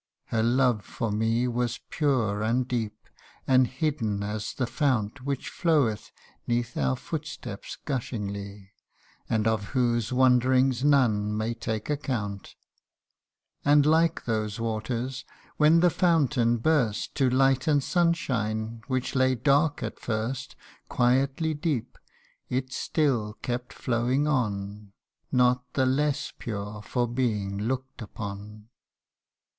Her love for me Was pure and deep, and hidden as the fount CANTO III. 109 Which floweth 'neath our footsteps gushingly, And of whose wanderings none may take account ; And like those waters, when the fountain burst To light and sunshine, which lay dark at first, Quietly deep, it still kept flowing on Not the less pure for being look'd upon.